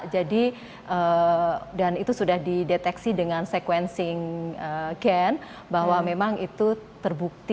jadi dan itu sudah dideteksi dengan sequencing gen bahwa memang itu terbukti